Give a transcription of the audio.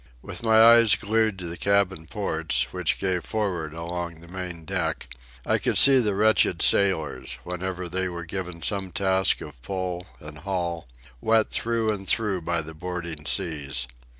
With my eyes glued to the cabin ports, which gave for'ard along the main deck, I could see the wretched sailors, whenever they were given some task of pull and haul, wet through and through by the boarding seas.